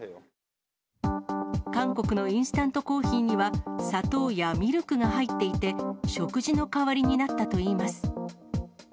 韓国のインスタントコーヒーには、砂糖やミルクが入っていて、食事の代わりになったといいます。